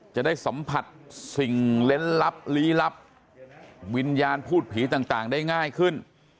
จะได้สัมผัสสิ่งเล่นลับลี้ลับวิญญาณพูดผีต่างได้ง่ายขึ้น